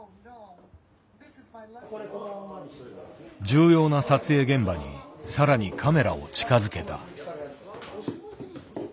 重要な撮影現場に更にカメラを近づけた。